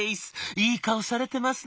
いい顔されてますね」。